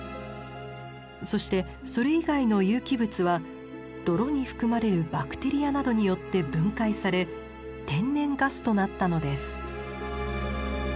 そしてそれ以外の有機物は泥に含まれるバクテリアなどによって分解され天然ガスとなったのです。